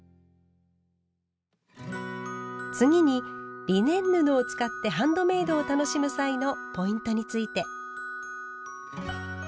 次にリネン布を使ってハンドメイドを楽しむ際のポイントについて。